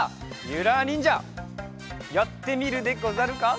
ゆらにんじゃやってみるでござるか？